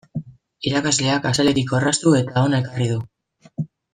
Irakasleak axaletik orraztu eta hona ekarri du.